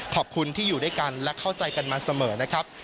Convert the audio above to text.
ขอบคุณที่อยู่ด้วยกันและเข้าใจกันมาเสมอนะครับ